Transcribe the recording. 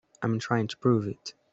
I'm trying to prove it.